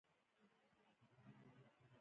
هغه فهم ته نه رسېږي.